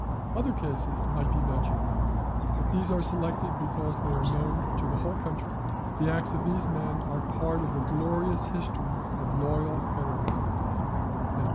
Other cases might be mentioned, but these are selected because they are known to the whole country; the acts of these men are part of the glorious history of loyal heroism."